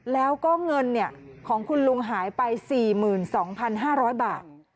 แล้วก็เงินของคุณลุงหายไป๔๒๕๐๐บาท